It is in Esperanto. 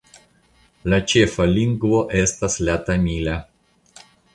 La ĉefa lingvo estas la tamila.